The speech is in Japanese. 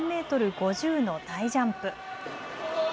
５０の大ジャンプ。